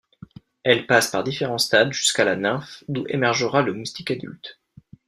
Elles passent par différents stades jusqu'à la nymphe d'où émergera le moustique adulte.